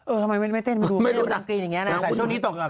เออทำไมไม่ได้เต้นไม่ได้ดังกรีนอย่างนี้นะ